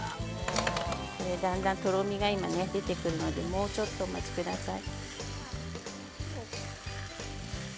だんだんとろみが出てくるのでもうちょっとお待ちください。